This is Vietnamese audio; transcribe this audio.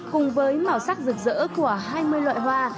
cùng với màu sắc rực rỡ của hai mươi loại hoa